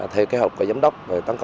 theo kế hoạch của giám đốc